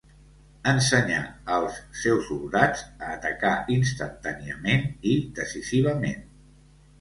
Ensenyà als seus soldats a atacar instantàniament i decisivament.